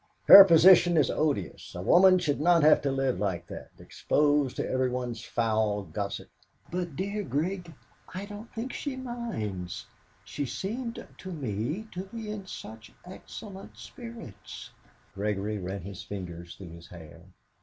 "Her position is odious; a woman should not have to live like that, exposed to everyone's foul gossip." "But, dear Grig, I don't think she minds; she seemed to me in such excellent spirits." Gregory ran his fingers through his hair.